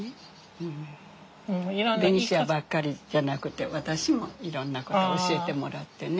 ベニシアばっかりじゃなくて私もいろんなこと教えてもらってね。